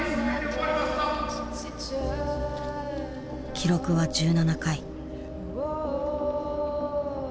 記録は１７回。